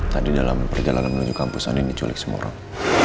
tadi dalam perjalanan menuju kampus andin diculik semua orang